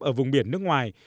ở vùng biển nước ngoài